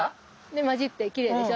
交じってきれいでしょ？